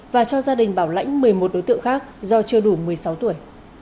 và cho gia đình bảo lãnh một mươi một đối tượng khác do chưa đủ một mươi sáu tuổi